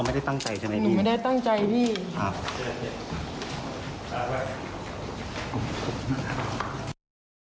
ไม่ได้ตั้งใจใช่ไหมพี่ครับ